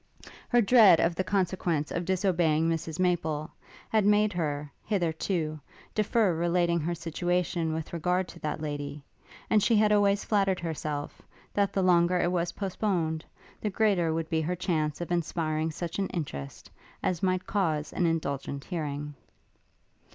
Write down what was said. Her dread of the consequence of disobeying Mrs Maple, had made her, hitherto, defer relating her situation with regard to that lady; and she had always flattered herself, that the longer it was postponed, the greater would be her chance of inspiring such an interest as might cause an indulgent hearing.